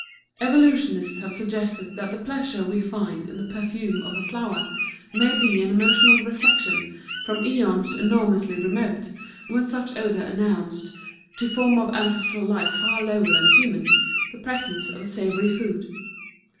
Evolutionists have suggested that the pleasure we find in the perfume of a flower may be an emotional reflection from æons enormously remote, when such odor announced, to forms of ancestral life far lower than human, the presence of savory food.